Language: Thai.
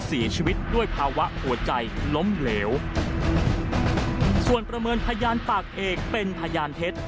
เสียชีวิตด้วยภาวะหัวใจล้มเหลวส่วนประเมินพยานปากเอกเป็นพยานเท็จ